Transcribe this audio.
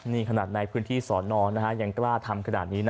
นี่ขนาดในพื้นที่สอนอนยังกล้าทำขนาดนี้นะ